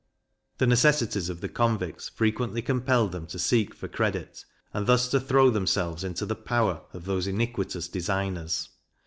The necessities of the convicts frequently compelled them to seek for credit, and thus to throw themselves into the power of those iniquitous designers.